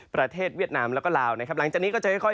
เวียดนามแล้วก็ลาวนะครับหลังจากนี้ก็จะค่อย